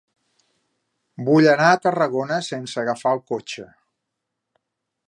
Vull anar a Tarragona sense agafar el cotxe.